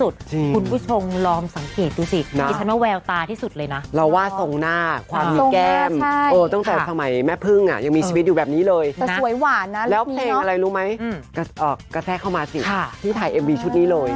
ต้องใส่ตอนที่แม่พึ่งยังมีชีวิตอยู่แบบนี้เลยแล้วเพลงอะไรรู้มั้ยกระแทะเข้ามาสิที่ถ่ายเอ็มบีชุดนี้เลย